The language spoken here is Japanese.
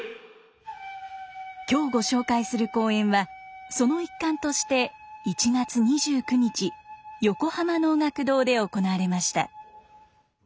今日ご紹介する公演はその一環として１月２９日横浜能楽堂で行われました。